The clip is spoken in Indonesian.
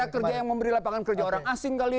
kerja yang memberi lapangan kerja orang asing kali